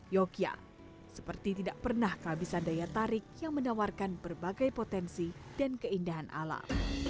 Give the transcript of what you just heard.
yogyakarta seperti tidak pernah kehabisan daya tarik yang menawarkan berbagai potensi dan keindahan alam